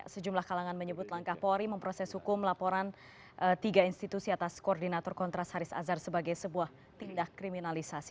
sejumlah kalangan menyebut langkah polri memproses hukum laporan tiga institusi atas koordinator kontras haris azhar sebagai sebuah tindak kriminalisasi